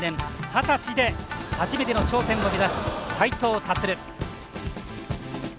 二十歳で初めての頂点を目指す斉藤立。